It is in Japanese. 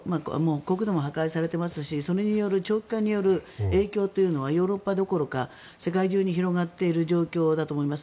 国土も破壊されてますしそれによる長期化による影響というのはヨーロッパどころか世界中に広がっている状況だと思います。